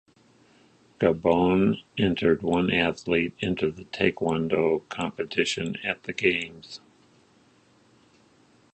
Gabon entered one athlete into the taekwondo competition at the Games.